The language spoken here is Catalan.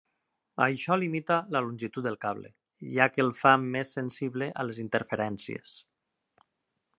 Això limita la longitud del cable, ja que el fa més sensible a les interferències.